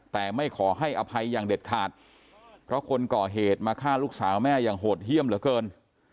แต่ไม่ขอให้อภัยอย่างเด็ดขาดเพราะคนก่อเหตุมาฆ่าลูกสาวแม่อย่างโหดเยี่ยมเหลือเกิน